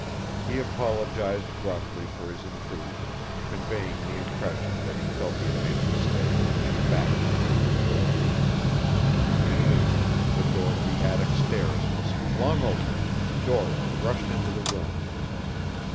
He apologized gruffly for his intrusion, conveying the impression that he felt he had made a mistake, and backed his way to the door. In an instant the door to the attic stairs was flung open and Dora rushed into the room.